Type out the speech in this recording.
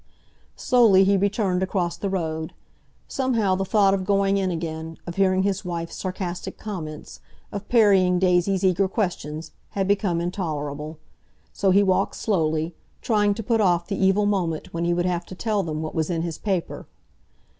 Slowly he returned across the road. Somehow the thought of going in again, of hearing his wife's sarcastic comments, of parrying Daisy's eager questions, had become intolerable. So he walked slowly, trying to put off the evil moment when he would have to tell them what was in his paper.